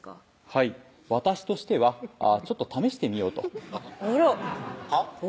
はい私としてはちょっと試してみようとあらはぁ？